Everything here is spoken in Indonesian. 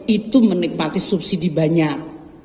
itu menikmati subsidi banyak